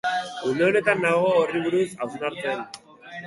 Une honetan nago horri buruz hausnartzen.